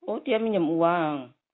oh dia minjem uang